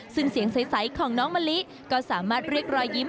ซึ่งเสียงใสของน้องมะลิก็สามารถเรียกรอยยิ้ม